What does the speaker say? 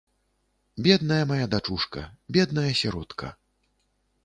Бедная мая дачушка, бедная сіротка.